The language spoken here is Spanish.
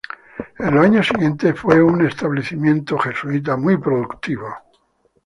En los años siguientes fue un establecimiento jesuita muy productivo.